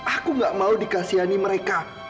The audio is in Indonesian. aku gak mau dikasihani mereka